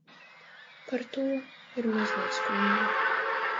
Par to ir mazliet skumji.